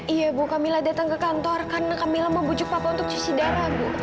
iya bu kamila datang ke kantor karena kamila mau bujuk papa untuk cuci darah bu